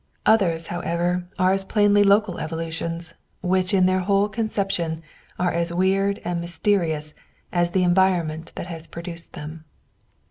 Others, however, are as plainly local evolutions, which in their whole conception are as weird and mysterious as the environment that has produced them.